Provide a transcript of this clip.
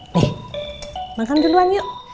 nih makan duluan yuk